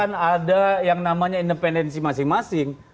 ketika anda mengatakan ada yang namanya independensi masing masing